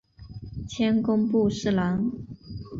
迁工部侍郎。